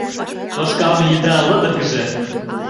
Тошкалме еда лыдыргыже.